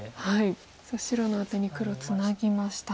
さあ白のアテに黒ツナぎました。